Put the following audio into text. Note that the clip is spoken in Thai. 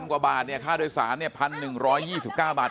ไอ้๑๐๐๐กว่าบาทเนี่ยค่าโดยสารเนี่ย๑๑๒๙บาท